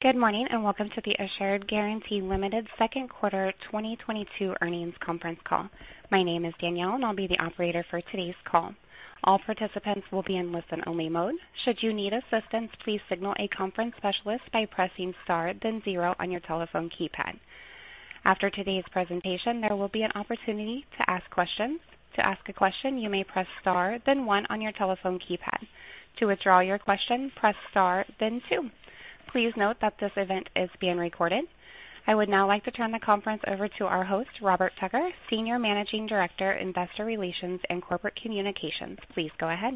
Good morning, and welcome to the Assured Guaranty Ltd. second quarter 2022 earnings conference call. My name is Danielle, and I'll be the operator for today's call. All participants will be in listen-only mode. Should you need assistance, please signal a conference specialist by pressing Star then zero on your telephone keypad. After today's presentation, there will be an opportunity to ask questions. To ask a question, you may press Star then one on your telephone keypad. To withdraw your question, press Star then two. Please note that this event is being recorded. I would now like to turn the conference over to our host, Robert Tucker, Senior Managing Director, Investor Relations and Corporate Communications. Please go ahead.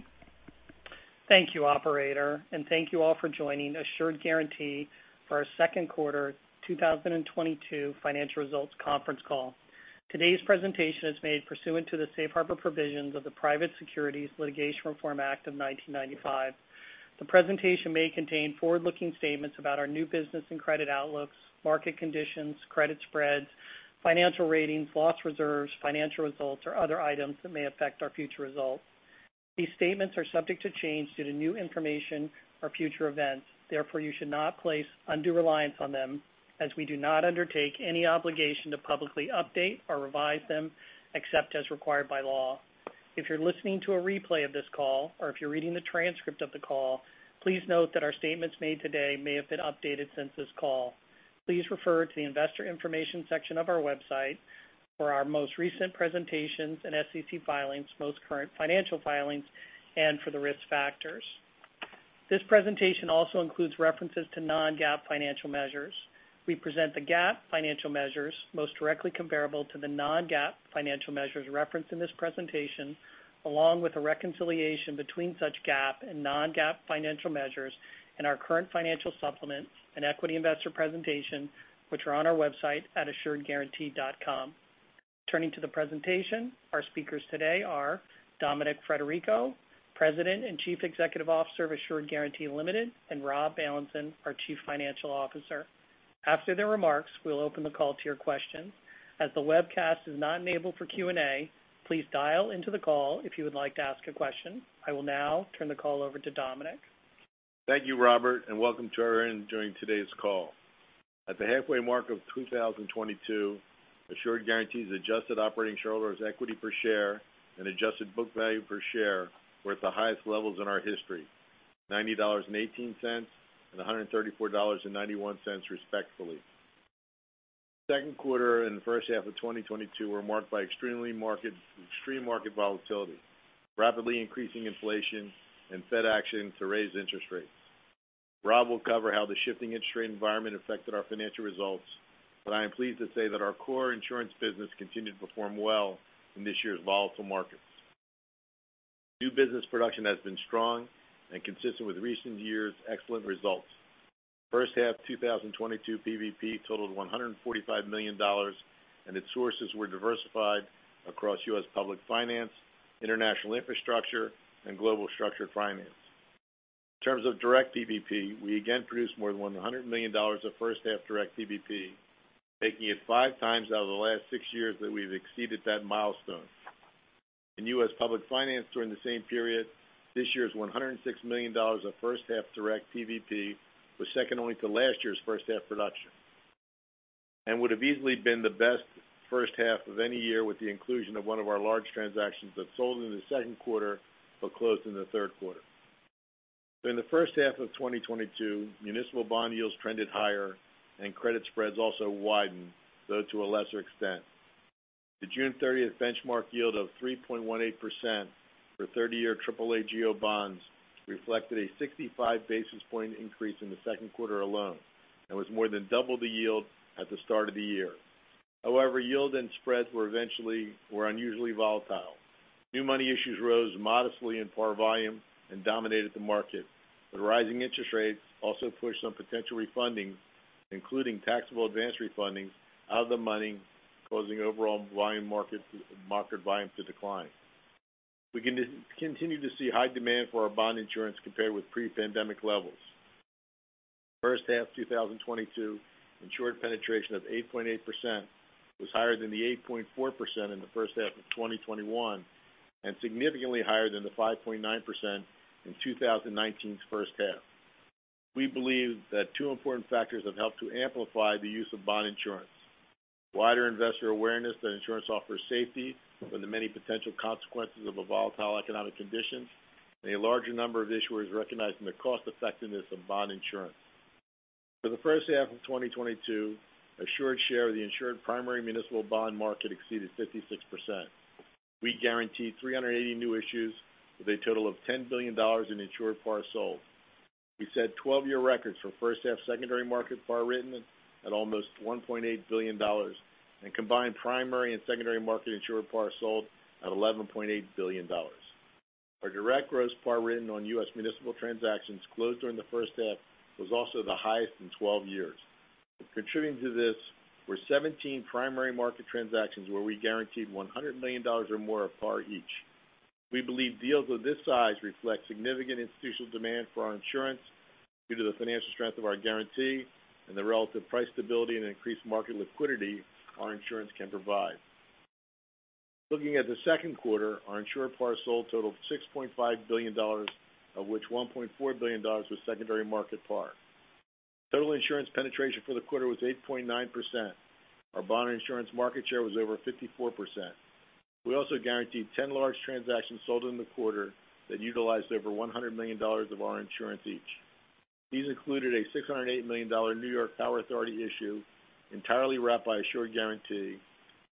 Thank you, operator, and thank you all for joining Assured Guaranty for our second quarter 2022 financial results conference call. Today's presentation is made pursuant to the safe harbor provisions of the Private Securities Litigation Reform Act of 1995. The presentation may contain forward-looking statements about our new business and credit outlooks, market conditions, credit spreads, financial ratings, loss reserves, financial results, or other items that may affect our future results. These statements are subject to change due to new information or future events. Therefore, you should not place undue reliance on them as we do not undertake any obligation to publicly update or revise them except as required by law. If you're listening to a replay of this call or if you're reading the transcript of the call, please note that our statements made today may have been updated since this call. Please refer to the investor information section of our website for our most recent presentations and SEC filings, most current financial filings, and for the risk factors. This presentation also includes references to non-GAAP financial measures. We present the GAAP financial measures most directly comparable to the non-GAAP financial measures referenced in this presentation, along with a reconciliation between such GAAP and non-GAAP financial measures in our current financial supplements and equity investor presentation, which are on our website at assuredguaranty.com. Turning to the presentation, our speakers today are Dominic Frederico, President and Chief Executive Officer of Assured Guaranty Ltd., and Robert A. Bailenson, our Chief Financial Officer. After their remarks, we'll open the call to your questions. As the webcast is not enabled for Q&A, please dial into the call if you would like to ask a question. I will now turn the call over to Dominic. Thank you, Robert, and welcome to everyone joining today's call. At the halfway mark of 2022, Assured Guaranty's adjusted operating shareholders equity per share and adjusted book value per share were at the highest levels in our history, $90.18 and $134.91, respectively. Second quarter and the first half of 2022 were marked by extreme market volatility, rapidly increasing inflation and Fed action to raise interest rates. Rob will cover how the shifting interest rate environment affected our financial results, but I am pleased to say that our core insurance business continued to perform well in this year's volatile markets. New business production has been strong and consistent with recent years' excellent results. First half 2022 PVP totaled $145 million, and its sources were diversified across U.S. public finance, international infrastructure, and global structured finance. In terms of direct PVP, we again produced more than $100 million of first half direct PVP, making it 5 times out of the last 6 years that we've exceeded that milestone. In U.S. public finance during the same period, this year's $106 million of first half direct PVP was second only to last year's first half production and would have easily been the best first half of any year with the inclusion of one of our large transactions that sold in the second quarter but closed in the third quarter. During the first half of 2022, municipal bond yields trended higher and credit spreads also widened, though to a lesser extent. The June 30th benchmark yield of 3.18% for 30-year AAA GO bonds reflected a 65 basis points increase in the second quarter alone and was more than double the yield at the start of the year. However, yield and spreads were unusually volatile. New money issues rose modestly in par volume and dominated the market, but rising interest rates also pushed some potential refundings, including taxable advance refundings, out of the money, causing overall market volume to decline. We continue to see high demand for our bond insurance compared with pre-pandemic levels. First half 2022 insured penetration of 8.8% was higher than the 8.4% in the first half of 2021 and significantly higher than the 5.9% in 2019's first half. We believe that 2 important factors have helped to amplify the use of bond insurance. Wider investor awareness that insurance offers safety from the many potential consequences of the volatile economic conditions and a larger number of issuers recognizing the cost effectiveness of bond insurance. For the first half of 2022, Assured's share of the insured primary municipal bond market exceeded 56%. We guaranteed 380 new issues with a total of $10 billion in insured par sold. We set 12-year records for first half secondary market par written at almost $1.8 billion and combined primary and secondary market insured par sold at $11.8 billion. Our direct gross par written on U.S. municipal transactions closed during the first half was also the highest in 12 years. Contributing to this were 17 primary market transactions where we guaranteed $100 million or more of par each. We believe deals of this size reflect significant institutional demand for our insurance due to the financial strength of our guarantee and the relative price stability and increased market liquidity our insurance can provide. Looking at the second quarter, our insured par totaled $6.5 billion, of which $1.4 billion was secondary market par. Total insurance penetration for the quarter was 8.9%. Our bond insurance market share was over 54%. We also guaranteed 10 large transactions sold in the quarter that utilized over $100 million of our insurance each. These included a $608 million New York Power Authority issue, entirely wrapped by Assured Guaranty,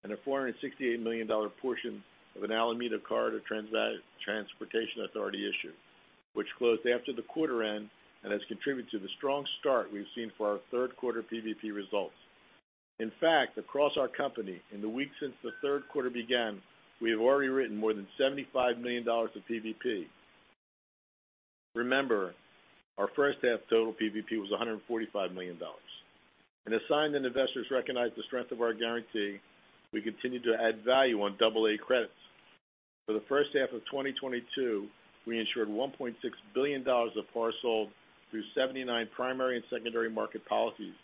and a $468 million portion of an Alameda County Transportation Authority issue, which closed after the quarter end and has contributed to the strong start we've seen for our third quarter PVP results. In fact, across our company, in the weeks since the third quarter began, we have already written more than $75 million of PVP. Remember, our first half total PVP was $145 million. A sign that investors recognize the strength of our guarantee, we continue to add value on double-A credits. For the first half of 2022, we insured $1.6 billion of par through 79 primary and secondary market policies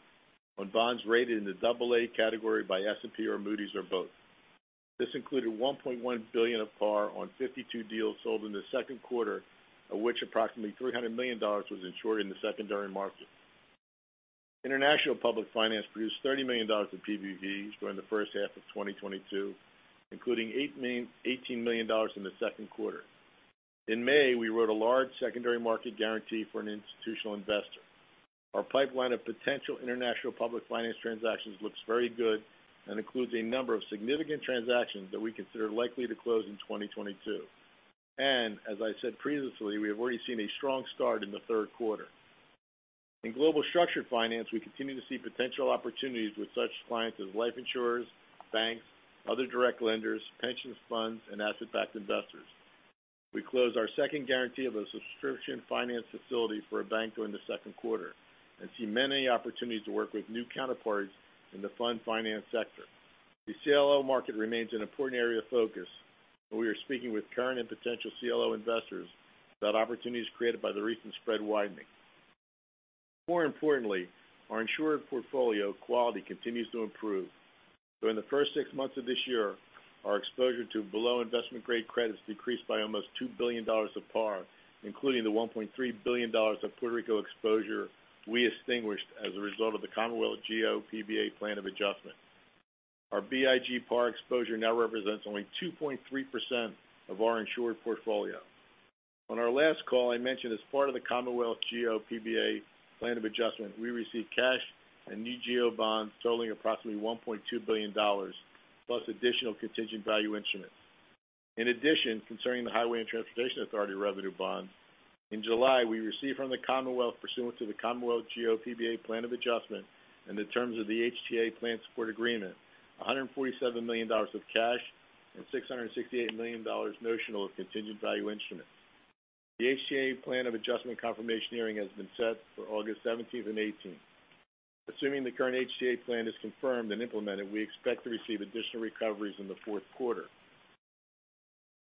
on bonds rated in the double-A category by S&P or Moody's or both. This included $1.1 billion of par on 52 deals sold in the second quarter, of which approximately $300 million was insured in the secondary market. International Public Finance produced $30 million in PVP during the first half of 2022, including eighteen million dollars in the second quarter. In May, we wrote a large secondary market guarantee for an institutional investor. Our pipeline of potential international public finance transactions looks very good and includes a number of significant transactions that we consider likely to close in 2022. As I said previously, we have already seen a strong start in the third quarter. In global structured finance, we continue to see potential opportunities with such clients as life insurers, banks, other direct lenders, pension funds, and asset-backed investors. We closed our second guarantee of a subscription finance facility for a bank during the second quarter and see many opportunities to work with new counterparts in the fund finance sector. The CLO market remains an important area of focus, and we are speaking with current and potential CLO investors about opportunities created by the recent spread widening. More importantly, our insured portfolio quality continues to improve. During the first six months of this year, our exposure to below investment-grade credits decreased by almost $2 billion of par, including the $1.3 billion of Puerto Rico exposure we extinguished as a result of the Commonwealth GO PBA plan of adjustment. Our BIG par exposure now represents only 2.3% of our insured portfolio. On our last call, I mentioned as part of the Commonwealth GO PBA plan of adjustment, we received cash and new GO bonds totaling approximately $1.2 billion, plus additional contingent value instruments. In addition, concerning the Highway and Transportation Authority revenue bonds, in July, we received from the Commonwealth, pursuant to the Commonwealth GO PBA plan of adjustment and the terms of the HTA plan support agreement, $147 million of cash and $668 million notional of contingent value instruments. The HTA plan of adjustment confirmation hearing has been set for August seventeenth and eighteenth. Assuming the current HTA plan is confirmed and implemented, we expect to receive additional recoveries in the fourth quarter.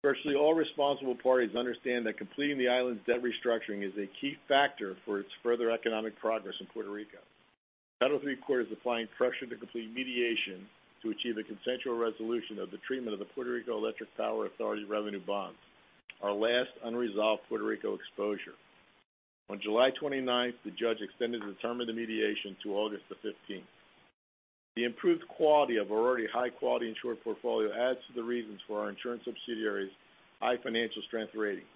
Firstly, all responsible parties understand that completing the island's debt restructuring is a key factor for its further economic progress in Puerto Rico. Federal Title III Court is applying pressure to complete mediation to achieve a consensual resolution of the treatment of the Puerto Rico Electric Power Authority revenue bonds, our last unresolved Puerto Rico exposure. On July twenty-ninth, the judge extended the term of the mediation to August the fifteenth. The improved quality of our already high-quality insured portfolio adds to the reasons for our insurance subsidiaries' high financial strength ratings.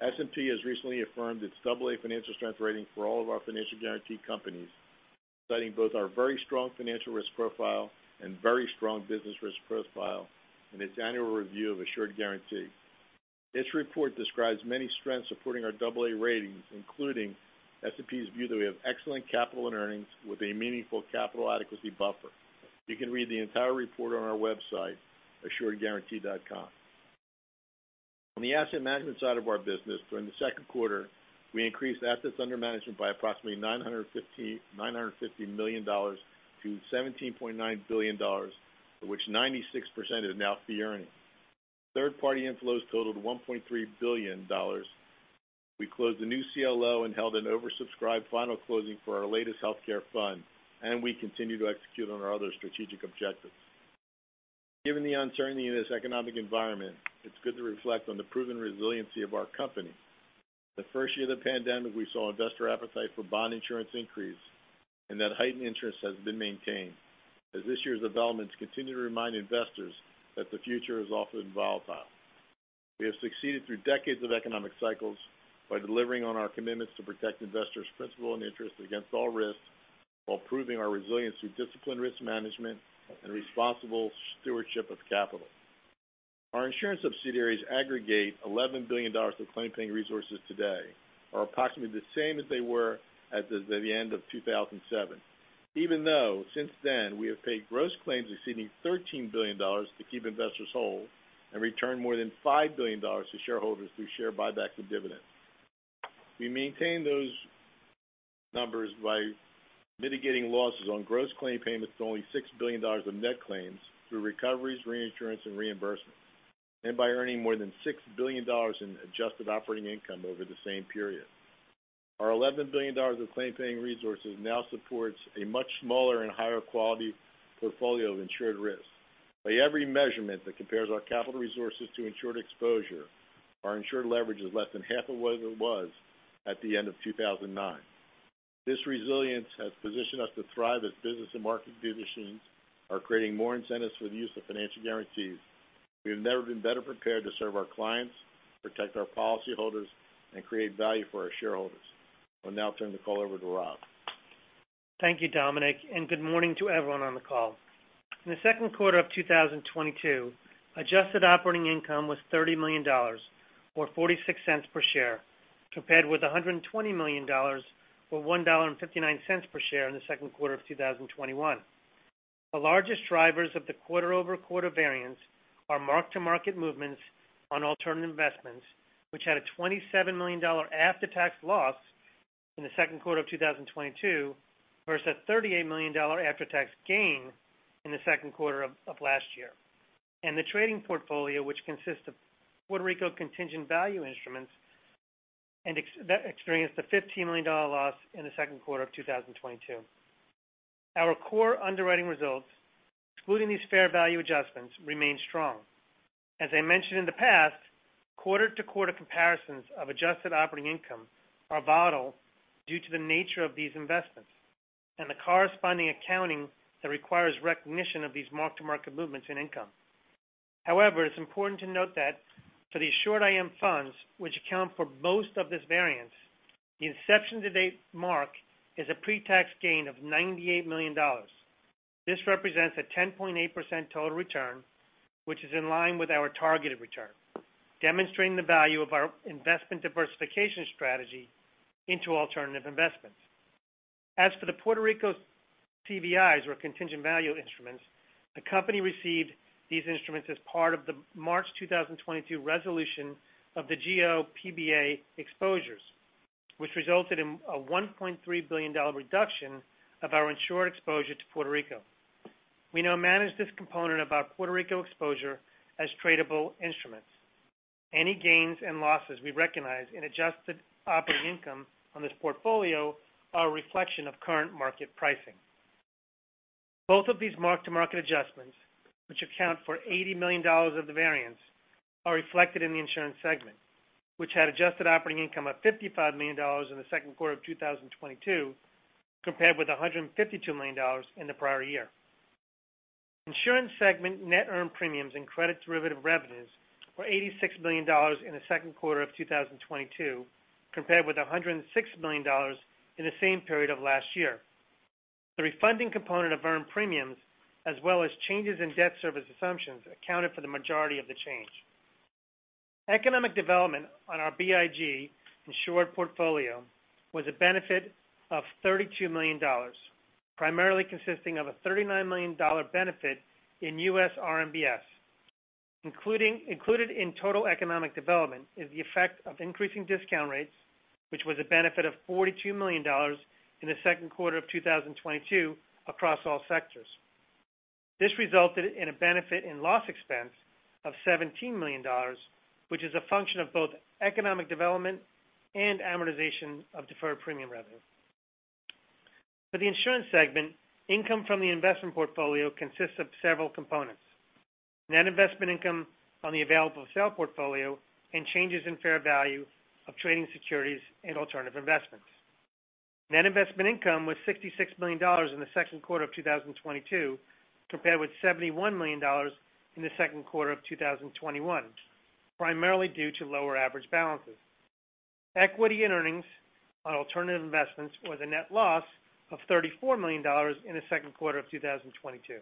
S&P has recently affirmed its double A financial strength rating for all of our financial guarantee companies, citing both our very strong financial risk profile and very strong business risk profile in its annual review of Assured Guaranty. This report describes many strengths supporting our double A ratings, including S&P's view that we have excellent capital and earnings with a meaningful capital adequacy buffer. You can read the entire report on our website, assuredguaranty.com. On the asset management side of our business, during the second quarter, we increased assets under management by approximately $950 million to $17.9 billion, of which 96% is now fee earning. Third-party inflows totaled $1.3 billion. We closed a new CLO and held an oversubscribed final closing for our latest healthcare fund, and we continue to execute on our other strategic objectives. Given the uncertainty in this economic environment, it's good to reflect on the proven resiliency of our company. The first year of the pandemic, we saw investor appetite for bond insurance increase, and that heightened interest has been maintained as this year's developments continue to remind investors that the future is often volatile. We have succeeded through decades of economic cycles by delivering on our commitments to protect investors' principal and interest against all risks while proving our resilience through disciplined risk management and responsible stewardship of capital. Our insurance subsidiaries aggregate $11 billion of claim-paying resources today, are approximately the same as they were at the end of 2007, even though since then, we have paid gross claims exceeding $13 billion to keep investors whole and returned more than $5 billion to shareholders through share buybacks and dividends. We maintain those numbers by mitigating losses on gross claim payments to only $6 billion of net claims through recoveries, reinsurance, and reimbursement, and by earning more than $6 billion in adjusted operating income over the same period. Our $11 billion of claim paying resources now supports a much smaller and higher quality portfolio of insured risks. By every measurement that compares our capital resources to insured exposure, our insured leverage is less than half of what it was at the end of 2009. This resilience has positioned us to thrive as business and market conditions are creating more incentives for the use of financial guarantees. We've never been better prepared to serve our clients, protect our policy holders, and create value for our shareholders. I'll now turn the call over to Rob. Thank you, Dominic, and good morning to everyone on the call. In the second quarter of 2022, adjusted operating income was $30 million, or $0.46 per share, compared with $120 million, or $1.59 per share in the second quarter of 2021. The largest drivers of the quarter-over-quarter variance are mark-to-market movements on alternative investments, which had a $27 million after-tax loss in the second quarter of 2022 versus $38 million after-tax gain in the second quarter of last year. The trading portfolio, which consists of Puerto Rico contingent value instruments and that experienced a $15 million loss in the second quarter of 2022. Our core underwriting results, excluding these fair value adjustments, remain strong. As I mentioned in the past, quarter-to-quarter comparisons of adjusted operating income are volatile due to the nature of these investments and the corresponding accounting that requires recognition of these mark-to-market movements in income. However, it's important to note that for these short-term funds, which account for most of this variance, the inception-to-date mark is a pre-tax gain of $98 million. This represents a 10.8% total return, which is in line with our targeted return, demonstrating the value of our investment diversification strategy into alternative investments. As for the Puerto Rico CVIs, or contingent value instruments, the company received these instruments as part of the March 2022 resolution of the GO/PBA exposures, which resulted in a $1.3 billion reduction of our insured exposure to Puerto Rico. We now manage this component of our Puerto Rico exposure as tradable instruments. Any gains and losses we recognize in adjusted operating income on this portfolio are a reflection of current market pricing. Both of these mark-to-market adjustments, which account for $80 million of the variance, are reflected in the insurance segment, which had adjusted operating income of $55 million in the second quarter of 2022, compared with $152 million in the prior year. Insurance segment net earned premiums and credit derivative revenues were $86 million in the second quarter of 2022, compared with $106 million in the same period of last year. The refunding component of earned premiums, as well as changes in debt service assumptions, accounted for the majority of the change. Economic development on our BIG insured portfolio was a benefit of $32 million, primarily consisting of a $39 million benefit in U.S. RMBS. Included in total economic development is the effect of increasing discount rates, which was a benefit of $42 million in the second quarter of 2022 across all sectors. This resulted in a benefit in loss expense of $17 million, which is a function of both economic development and amortization of deferred premium revenue. For the insurance segment, income from the investment portfolio consists of several components, net investment income on the available for sale portfolio and changes in fair value of trading securities and alternative investments. Net investment income was $66 million in the second quarter of 2022, compared with $71 million in the second quarter of 2021, primarily due to lower average balances. Equity and earnings on alternative investments was a net loss of $34 million in the second quarter of 2022.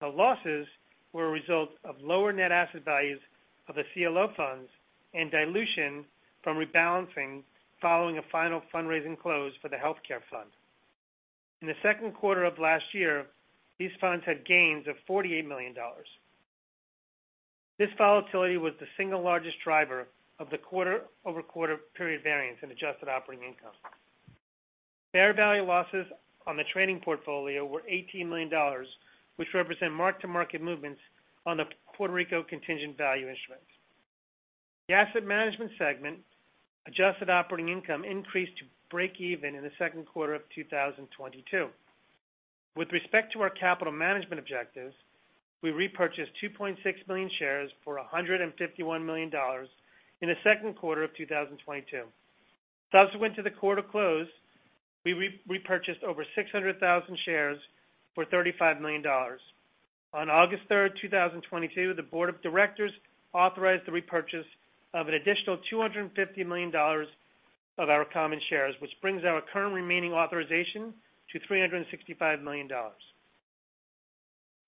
The losses were a result of lower net asset values of the CLO funds and dilution from rebalancing following a final fundraising close for the healthcare fund. In the second quarter of last year, these funds had gains of $48 million. This volatility was the single largest driver of the quarter-over-quarter period variance in adjusted operating income. Fair value losses on the trading portfolio were $18 million, which represent mark-to-market movements on the Puerto Rico contingent value instruments. The asset management segment adjusted operating income increased to breakeven in the second quarter of 2022. With respect to our capital management objectives, we repurchased 2.6 million shares for $151 million in the second quarter of 2022. As we went to the quarter close, we repurchased over 600,000 shares for $35 million. On August 3, 2022, the board of directors authorized the repurchase of an additional $250 million of our common shares, which brings our current remaining authorization to $365 million.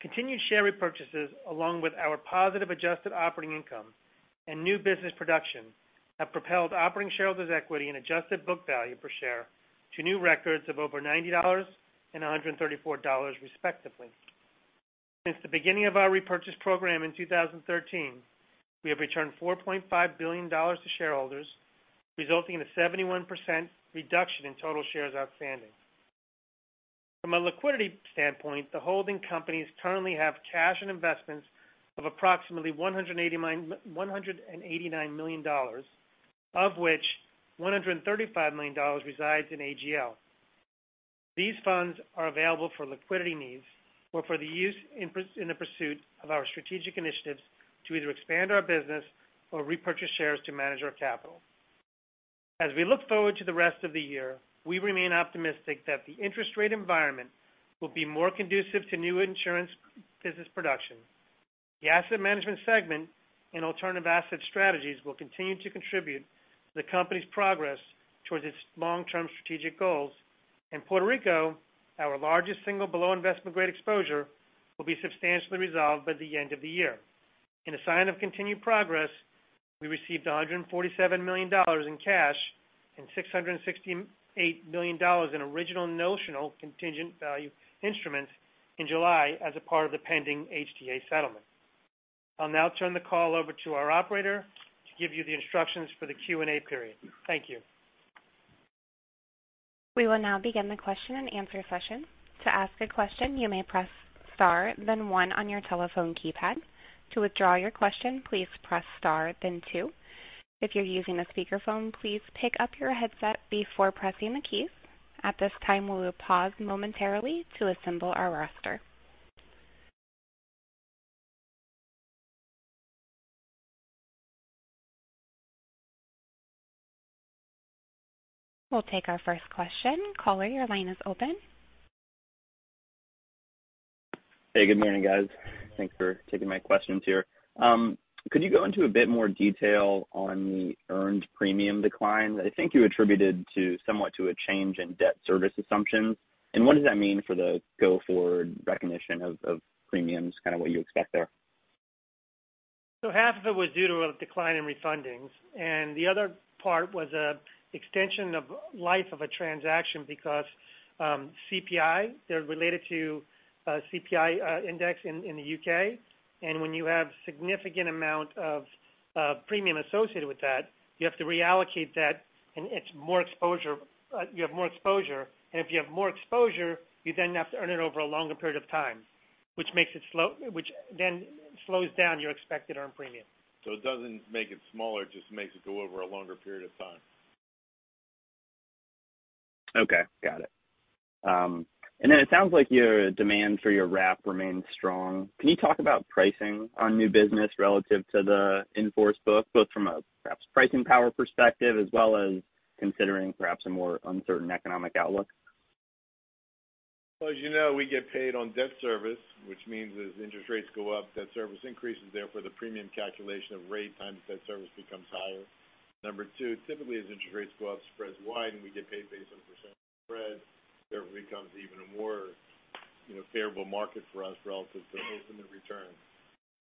Continued share repurchases, along with our positive adjusted operating income and new business production, have propelled operating shareholders equity and adjusted book value per share to new records of over $90 and $134, respectively. Since the beginning of our repurchase program in 2013, we have returned $4.5 billion to shareholders, resulting in a 71% reduction in total shares outstanding. From a liquidity standpoint, the holding companies currently have cash and investments of approximately $189 million, of which $135 million resides in AGL. These funds are available for liquidity needs or for the use in the pursuit of our strategic initiatives to either expand our business or repurchase shares to manage our capital. As we look forward to the rest of the year, we remain optimistic that the interest rate environment will be more conducive to new insurance business production. The asset management segment and alternative asset strategies will continue to contribute to the company's progress towards its long-term strategic goals. In Puerto Rico, our largest single below investment grade exposure will be substantially resolved by the end of the year. In a sign of continued progress, we received $147 million in cash and $668 million in original notional contingent value instruments in July as a part of the pending HTA settlement. I'll now turn the call over to our operator to give you the instructions for the Q&A period. Thank you. We will now begin the question and answer session. To ask a question, you may press Star, then one on your telephone keypad. To withdraw your question, please press Star, then two. If you're using a speakerphone, please pick up your headset before pressing the keys. At this time, we will pause momentarily to assemble our roster. We'll take our first question. Caller, your line is open. Hey, good morning, guys. Thanks for taking my questions here. Could you go into a bit more detail on the earned premium decline? I think you attributed somewhat to a change in debt service assumptions. What does that mean for the go-forward recognition of premiums, kind of what you expect there? Half of it was due to a decline in refundings, and the other part was an extension of life of a transaction because CPI, they're related to CPI Index in the U.K. When you have significant amount of premium associated with that, you have to reallocate that and it's more exposure. If you have more exposure, you then have to earn it over a longer period of time, which makes it slow, which then slows down your expected earned premium. It doesn't make it smaller, it just makes it go over a longer period of time. Okay. Got it. It sounds like your demand for your wrap remains strong. Can you talk about pricing on new business relative to the in-force book, both from a perhaps pricing power perspective as well as considering perhaps a more uncertain economic outlook? Well, as you know, we get paid on debt service, which means as interest rates go up, debt service increases. Therefore, the premium calculation of rate times debt service becomes higher. Number two, typically, as interest rates go up, spreads widen, we get paid based on percent spread. Therefore, it becomes even a more, you know, favorable market for us relative to ultimate return.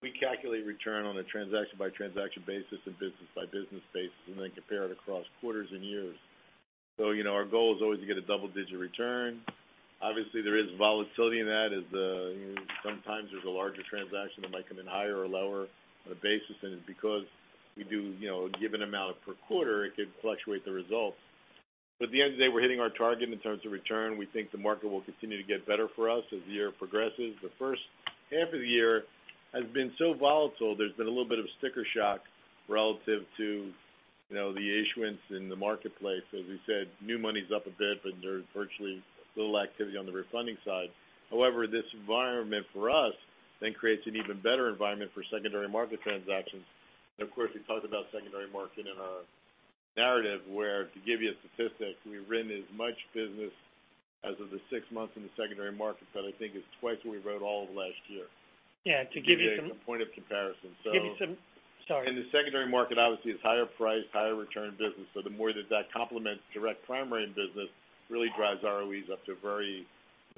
We calculate return on a transaction-by-transaction basis and business-by-business basis, and then compare it across quarters and years. You know, our goal is always to get a double-digit return. Obviously, there is volatility in that. As you know, sometimes there's a larger transaction that might come in higher or lower on a basis. It's because we do, you know, a given amount per quarter, it could fluctuate the results. At the end of the day, we're hitting our target in terms of return. We think the market will continue to get better for us as the year progresses. The first half of the year has been so volatile. There's been a little bit of sticker shock relative to, you know, the issuance in the marketplace. As we said, new money's up a bit, but there's virtually little activity on the refunding side. However, this environment for us then creates an even better environment for secondary market transactions. Of course, we talked about secondary market in our narrative where, to give you a statistic, we've written as much business as of the six months in the secondary market that I think is twice what we wrote all of last year. Yeah, to give you some. To give you some point of comparison. Sorry. In the secondary market, obviously, it's higher price, higher return business. The more that complements direct primary business really drives ROEs up to very,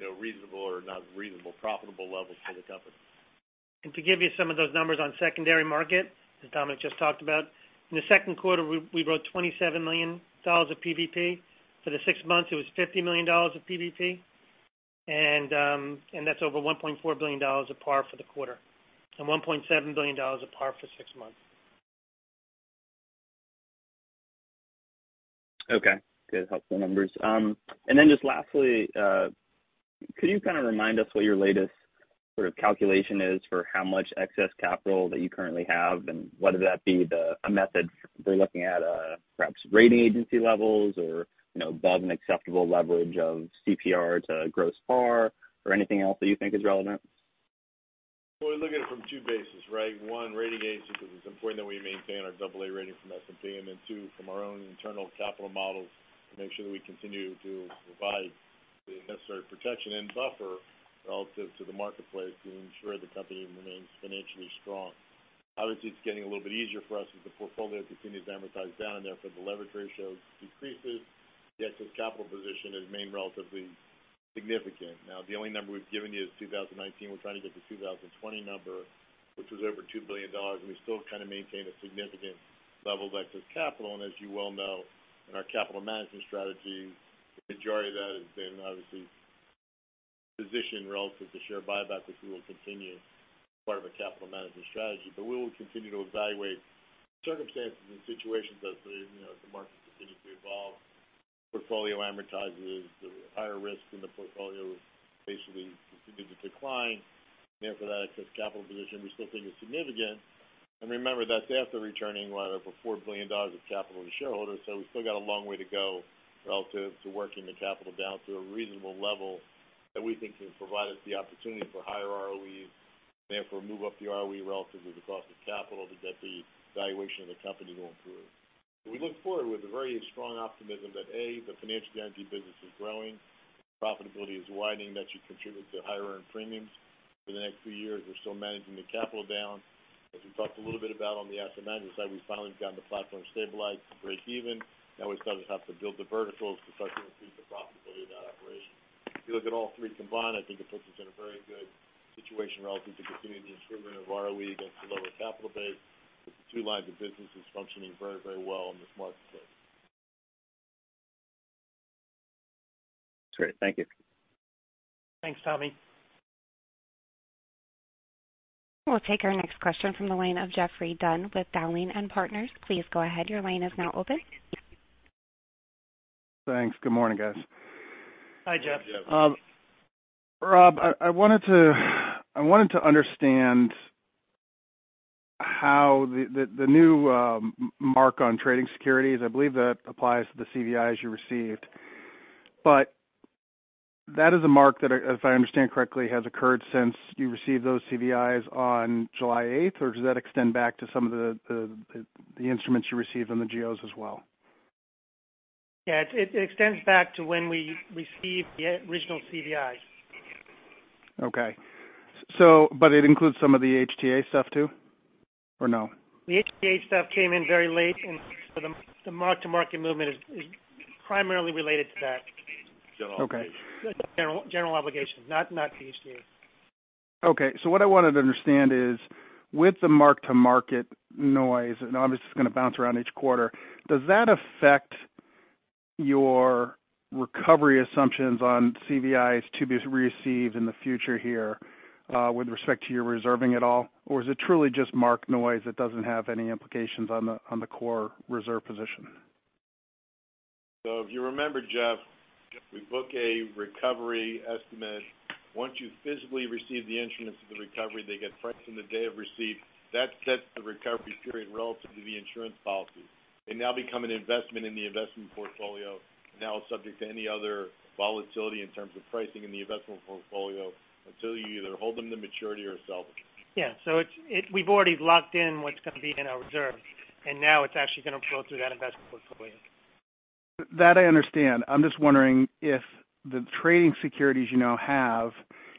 you know, reasonable or not reasonable, profitable levels for the company. To give you some of those numbers on secondary market, as Dominic just talked about. In the second quarter, we wrote $27 million of PVP. For the six months, it was $50 million of PVP. That's over $1.4 billion of par for the quarter, and $1.7 billion of par for six months. Okay. Good. Helpful numbers. Just lastly, could you kind of remind us what your latest sort of calculation is for how much excess capital that you currently have, and whether that be the, a method they're looking at, perhaps rating agency levels or, you know, above an acceptable leverage of CPR to gross par or anything else that you think is relevant? Well, we look at it from two bases, right? One, rating agencies, it's important that we maintain our AA rating from S&P. Then two, from our own internal capital models to make sure that we continue to provide the necessary protection and buffer relative to the marketplace to ensure the company remains financially strong. Obviously, it's getting a little bit easier for us as the portfolio continues to amortize down, and therefore the leverage ratio decreases. The excess capital position has remained relatively significant. Now, the only number we've given you is 2019. We're trying to get the 2020 number, which was over $2 billion, and we still kind of maintain a significant level of excess capital. As you well know, in our capital management strategy, the majority of that has been obviously positioned relative to share buyback, which we will continue as part of a capital management strategy. We will continue to evaluate circumstances and situations as the, you know, the market continues to evolve. As the portfolio amortizes, the higher risk in the portfolio has basically continued to decline. Therefore, that excess capital position we still think is significant. Remember, that's after returning right over $4 billion of capital to shareholders. We still got a long way to go relative to working the capital down to a reasonable level that we think can provide us the opportunity for higher ROEs, therefore move up the ROE relative to the cost of capital to get the valuation of the company to improve. We look forward with a very strong optimism that, A, the financial guarantee business is growing, profitability is widening. That should contribute to higher earned premiums for the next few years. We're still managing the capital down. As we talked a little bit about on the asset management side, we finally have gotten the platform stabilized to break even. Now we still just have to build the verticals to start to increase the profitability of that operation. If you look at all three combined, I think it puts us in a very good situation relative to continuing the improvement of ROE against the lower capital base with the two lines of businesses functioning very, very well in this market space. Great. Thank you. Thanks, Tommy. We'll take our next question from the line of Geoffrey Dunn with Dowling & Partners. Please go ahead. Your line is now open. Thanks. Good morning, guys. Hi, Jeff. Good morning, Jeff. Rob, I wanted to understand how the new mark on trading securities applies to the CVIs you received. That is a mark that, as I understand correctly, has occurred since you received those CVIs on July eighth, or does that extend back to some of the instruments you received on the GOs as well? Yeah, it extends back to when we received the original CVI. Okay. It includes some of the HTA stuff too, or no? The HTA stuff came in very late, and so the mark-to-market movement is primarily related to that. General obligations. Okay. General obligations, not the HTA. Okay. What I wanted to understand is, with the mark-to-market noise, and obviously it's gonna bounce around each quarter, does that affect your recovery assumptions on CVIs to be received in the future here, with respect to your reserving at all? Or is it truly just mark noise that doesn't have any implications on the core reserve position? If you remember, Jeffrey, we book a recovery estimate. Once you physically receive the instruments of the recovery, they get priced on the day of receipt. That sets the recovery period relative to the insurance policy. They now become an investment in the investment portfolio, now subject to any other volatility in terms of pricing in the investment portfolio until you either hold them to maturity or sell them. We've already locked in what's gonna be in our reserves, and now it's actually gonna flow through that investment portfolio. That I understand. I'm just wondering if the trading securities you now have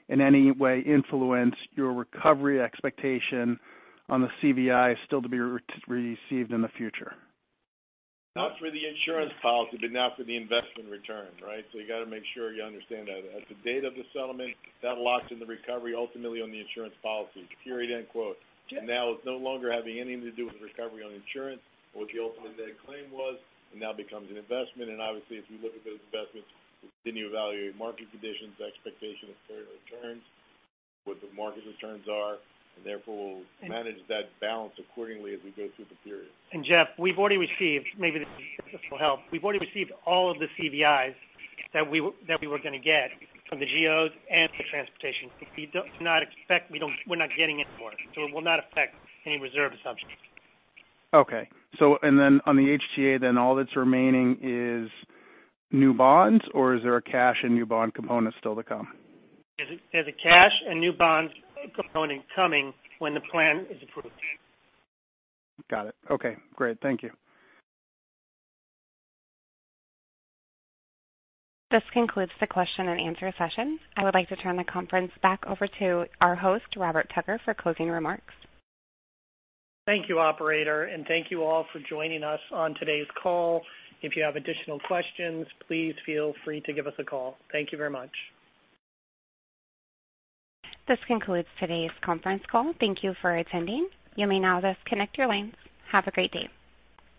in any way influence your recovery expectation on the CVI still to be received in the future. Not for the insurance policy, but now for the investment return, right? You gotta make sure you understand that. At the date of the settlement, that locks in the recovery ultimately on the insurance policy, period, end quote. Yeah. Now it's no longer having anything to do with recovery on insurance or what the ultimate net claim was. It now becomes an investment. Obviously, if you look at those investments, we continue to evaluate market conditions, expectation of return, what the market returns are, and therefore we'll manage that balance accordingly as we go through the period. Jeffrey, we've already received, maybe this will help. We've already received all of the CVIs that we were gonna get from the GOs and the transportation. We do not expect. We don't, we're not getting any more. It will not affect any reserve assumptions. On the HTA then all that's remaining is new bonds or is there a cash and new bond component still to come? There's a cash and new bonds component coming when the plan is approved. Got it. Okay, great. Thank you. This concludes the question and answer session. I would like to turn the conference back over to our host, Robert Tucker, for closing remarks. Thank you, operator, and thank you all for joining us on today's call. If you have additional questions, please feel free to give us a call. Thank you very much. This concludes today's conference call. Thank you for attending. You may now disconnect your lines. Have a great day.